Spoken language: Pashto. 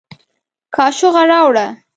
کاشوغه راوړه